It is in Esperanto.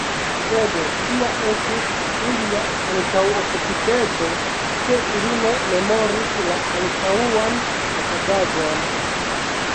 Sed tia estis ilia antaŭokupiteco, ke ili ne memoris la antaŭan okazaĵon.